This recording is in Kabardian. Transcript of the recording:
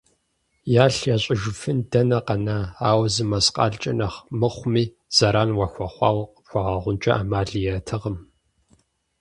Ялъ ящӀэжыфын дэнэ къэна, ауэ зы мэскъалкӀэ нэхъ мыхъуми зэран уахуэхъуауэ къыпхуагъэгъункӀэ Ӏэмал иӀэтэкъым.